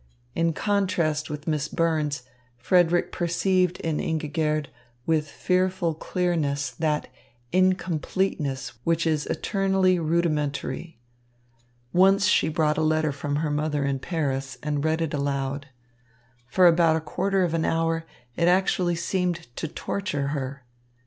In contrast with Miss Burns, Frederick perceived in Ingigerd with fearful clearness that incompleteness which is eternally rudimentary. Once she brought a letter from her mother in Paris and read it aloud. For about a quarter of an hour, it actually seemed to torture her.